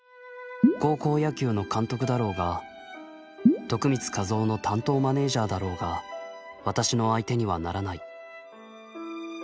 高校野球の監督だろうが徳光和夫の担当マネージャーだろうが私の相手にはならない」。